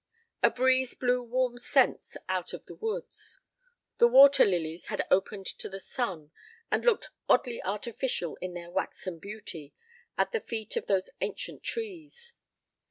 A breeze blew warm scents out of the woods. The water lilies had opened to the sun and looked oddly artificial in their waxen beauty, at the feet of those ancient trees.